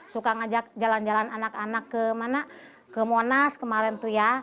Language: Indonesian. suka ngajak jalan jalan anak anak ke mana ke monas kemarin tuh ya